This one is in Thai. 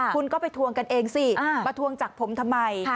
คุณก็ไปทวงกันเองสิมาทวงจากผมทำไม